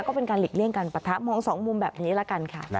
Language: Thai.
ก็เป็นการหลีกเลี่ยงการปะทะมองสองมุมแบบนี้ละกันค่ะ